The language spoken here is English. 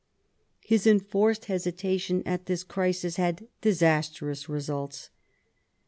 His enforced hesitation at this crisis had disastrous results.